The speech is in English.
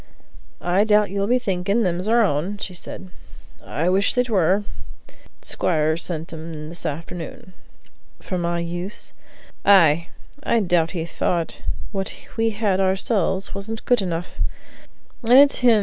"I doubt you'll be thinking them's our own," said she. "I wish they were; t'squire sent 'em in this afternoon." "For my use?" "Ay; I doubt he thought what we had ourselves wasn't good enough.